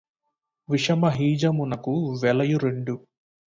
విషమహీజమునకు వెలయు రెండు